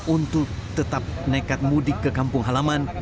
untuk tetap nekat mudik ke kampung halaman